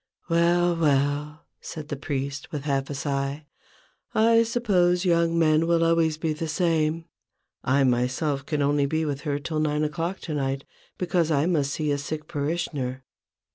" Well ! well !" said the priest, with half a sigh, " I suppose young men will always be the same, I myself can only be with her till nine o'clock to night, because I must see a sick parishioner.